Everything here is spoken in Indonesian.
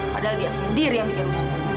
padahal dia sendiri yang bikin